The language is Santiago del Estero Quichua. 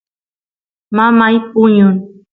mamay puñun